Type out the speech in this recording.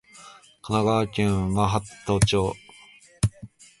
神奈川県真鶴町